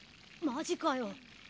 マジかよ？